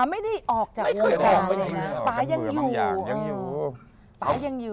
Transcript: หญิงก็เดี๋ยวผมยังอยู่